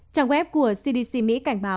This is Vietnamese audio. trang web của cdc mỹ cảnh báo